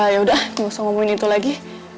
yaudah gak usah ngomongin itu lagi